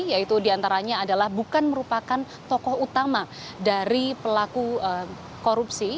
yaitu diantaranya adalah bukan merupakan tokoh utama dari pelaku korupsi